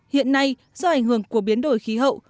hiện nay do ảnh hưởng của biến đổi khí hậu